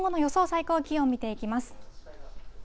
最高気温を見ていきます。